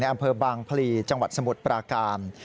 อำเภอบางพลีจังหวัดสมุทรปราการ